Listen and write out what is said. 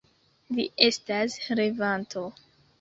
Li estas revanto!